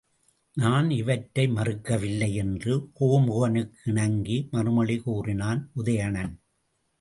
நான் இவற்றை மறுக்கவில்லை என்று கோமுகனுக்கு இணங்கி மறுமொழி கூறினான் உதயணன்.